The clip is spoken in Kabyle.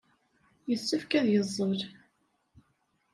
Yessefk ad yeẓẓel.